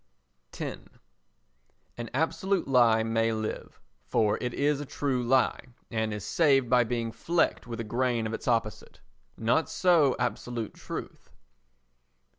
x An absolute lie may live—for it is a true lie, and is saved by being flecked with a grain of its opposite. Not so absolute truth.